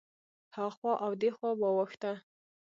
هخوا او دېخوا واوښته.